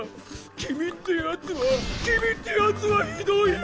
君ってヤツは君ってヤツはひどいよ！